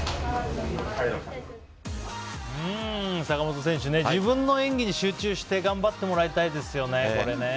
坂本選手、自分の演技に集中して頑張ってもらいたいですね。